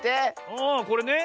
ああこれね。